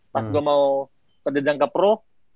pas gue mau ke dejan ke pro